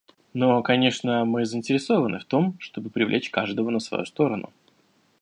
Но, конечно, мы заинтересованы в том, чтобы привлечь каждого на свою сторону.